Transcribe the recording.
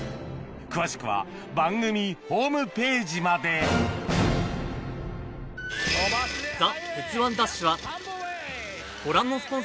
詳しくは番組ホームページまで『ザ！